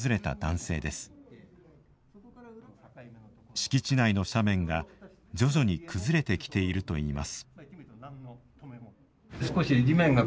敷地内の斜面が徐々に崩れてきているといいます。